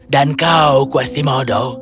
dan kau quasimodo